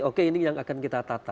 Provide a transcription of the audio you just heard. oke ini yang akan kita tata